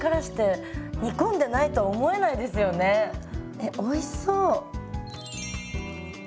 えおいしそう。